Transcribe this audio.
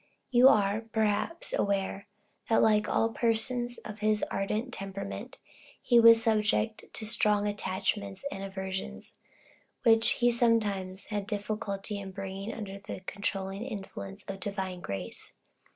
You are, perhaps, aware, that like all persons of his ardent temperament, he was subject to strong attachments and aversions, which he sometimes had difficulty in bringing under the controlling influence of divine grace.